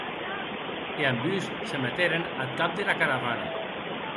E ambús se meteren ath cap dera caravana.